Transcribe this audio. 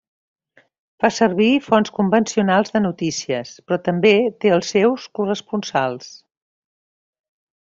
Fa servir fonts convencionals de notícies, però també té els seus corresponsals.